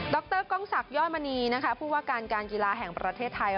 ดรก้องศักย์ย่อนมณีพูดว่าการการกีฬาแห่งประเทศไทย